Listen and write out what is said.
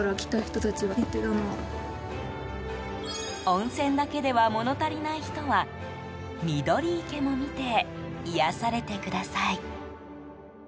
温泉だけでは物足りない人はみどり池も見て癒やされてください。